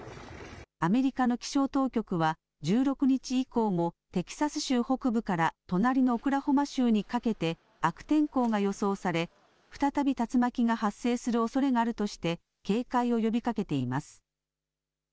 アメリカの気象当局は１６日以降もテキサス州北部から隣のオクラホマ州にかけて悪天候が予想され再び竜巻が発生するおそれがあるとして警戒を呼びかけています。